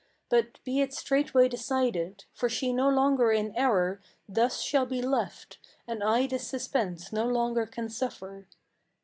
But be it straightway decided; for she no longer in error Thus shall be left, and I this suspense no longer can suffer.